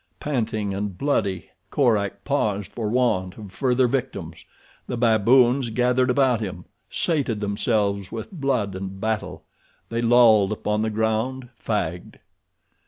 Panting and bloody, Korak paused for want of further victims. The baboons gathered about him, sated themselves with blood and battle. They lolled upon the ground, fagged.